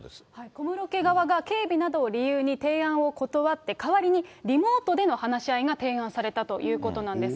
小室家側は警備などを理由に、提案を断って、代わりにリモートでの話し合いが提案されたということなんです。